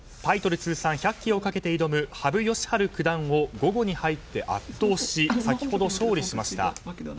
通算１００期をかけて挑む羽生善治九段を午後に入って圧倒し先ほど勝利しました。